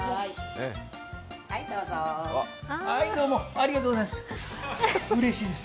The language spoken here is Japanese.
ありがとうございます。